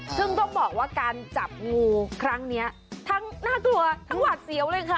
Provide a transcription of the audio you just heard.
ซึ่งต้องบอกว่าการจับงูครั้งนี้ทั้งน่ากลัวทั้งหวาดเสียวเลยค่ะ